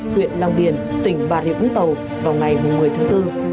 huyện long điền tỉnh bà rịa vũng tàu vào ngày một mươi tháng bốn